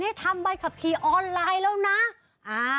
ให้ทำใบขับขี่ออนไลน์แล้วนะ